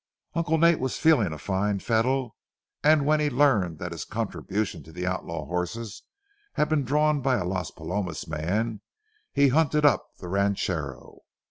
Uncle Nate was feeling in fine fettle, and when he learned that his contribution to the outlaw horses had been drawn by a Las Palomas man, he hunted up the ranchero.